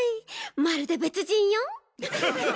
まるで別人よ！